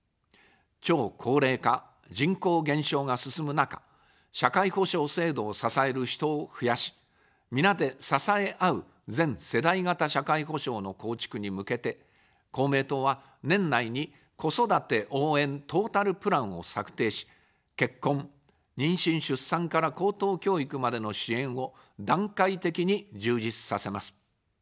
超高齢化・人口減少が進む中、社会保障制度を支える人を増やし、皆で支え合う全世代型社会保障の構築に向けて、公明党は、年内に子育て応援トータルプランを策定し、結婚、妊娠・出産から高等教育までの支援を段階的に充実させます。